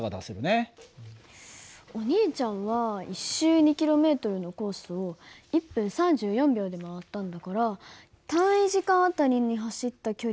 お兄ちゃんは１周２ｋｍのコースを１分３４秒で回ったんだから単位時間あたりに走った距離を計算すればいいんだよね。